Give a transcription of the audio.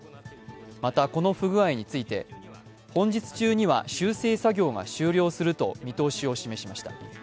またこの不具合について、本日中には修正作業が終了すると見通しを示しました。